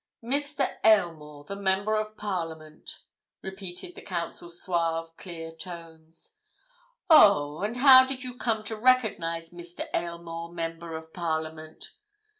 "Mr. Aylmore, the Member of Parliament," repeated the Counsel's suave, clear tones. "Oh! And how did you come to recognize Mr. Aylmore, Member of Parliament?"